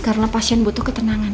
karena pasien butuh ketenangan